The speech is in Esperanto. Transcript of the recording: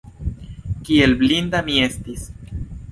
Kiel blinda mi estis!